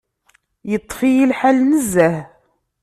Yeṭṭef-iyi lḥal nezzeh.